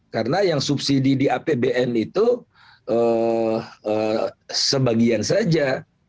karena yang subsidi di apbn itu sebagian saja